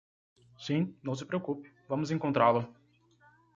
Sim, não se preocupe, vamos encontrá-lo.